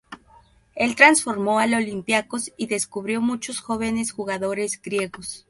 Él transformó al Olympiacos y descubrió muchos jóvenes jugadores griegos.